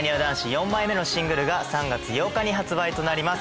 ４枚目のシングルが３月８日に発売となります。